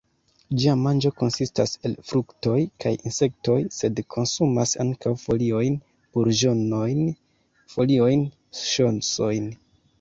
Ĝia manĝo konsistas el fruktoj kaj insektoj, sed konsumas ankaŭ foliojn, burĝonojn, foliojn, ŝosojn.